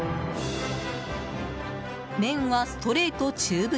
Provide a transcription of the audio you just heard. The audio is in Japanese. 麺はストレート中太。